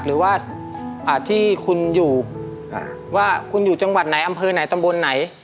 หรือว่าที่คุณอยู่ว่าคุณอยู่จังหวัดไหนอำเภอไหนตำบลไหน